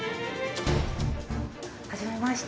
はじめまして。